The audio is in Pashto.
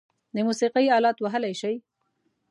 د موسیقۍ آلات وهلی شئ؟